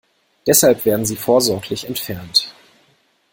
Deshalb werden sie vorsorglich entfernt.